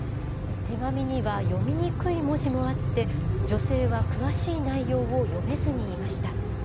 手紙には読みにくい文字もあって、女性は詳しい内容を読めずにいました。